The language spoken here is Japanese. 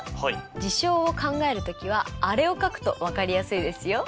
事象を考えるときはあれを書くと分かりやすいですよ。